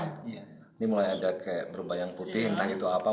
iya itu apa ini mulai ada kayak berubah yang putih entah itu apa